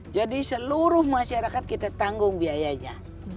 jadi seluruh masyarakat kita tanggung biayanya